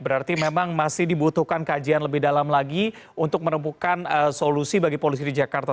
berarti memang masih dibutuhkan kajian lebih dalam lagi untuk menemukan solusi bagi polisi di jakarta